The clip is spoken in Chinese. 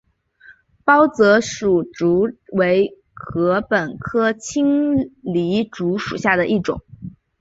包箨矢竹为禾本科青篱竹属下的一个种。